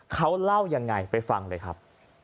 เขาเล่ายังไงไปฟังเลยครับ